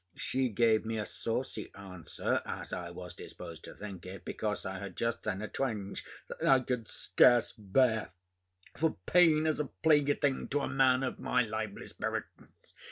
She gave me a saucy answer, as I was disposed to think it, because I had just then a twinge, that I could scarce bear; for pain is a plaguy thing to a man of my lively spirits.